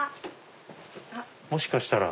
もしかしたら。